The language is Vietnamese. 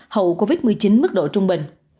hậu covid một mươi chín mức độ trung bình